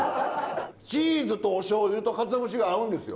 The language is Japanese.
チーズとおしょうゆとかつお節が合うんですよ。